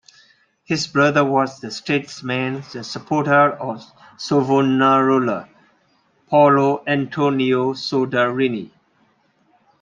His brother was the statesman and supporter of Savonarola, Paolo Antonio Soderini.